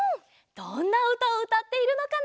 どんなうたをうたっているのかな？